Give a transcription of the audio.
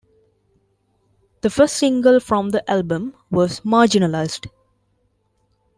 The first single from the album was "Marginalized".